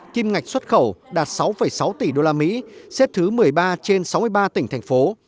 kim ngạch xuất khẩu đạt sáu sáu tỷ usd xếp thứ một mươi ba trên sáu mươi ba tỉnh thành phố